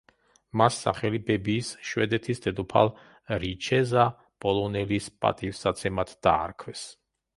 მას სახელი ბებიის, შვედეთის დედოფალ რიჩეზა პოლონელის პატივსაცემად დაარქვეს.